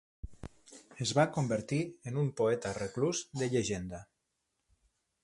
Es va convertir en un poeta reclús de llegenda.